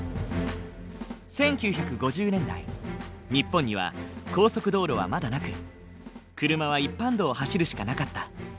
日本には高速道路はまだなく車は一般道を走るしかなかった。